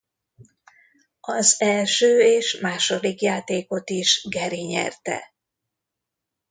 Az első és második játékot is Gary nyerte.